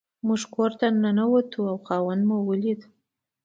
موږ کور ته ننوتو او خاوند مو ولید.